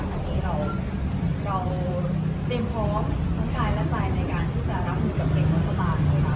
ทีนี้เราเรียนพร้อมทั้งกายและสายในการที่จะรับหุ้นกับเด็กมันก็ได้นะคะ